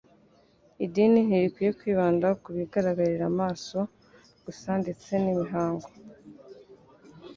Idini ntirikwiye kwibanda ku bigaragarira amaso gusa ndetse n'imihango.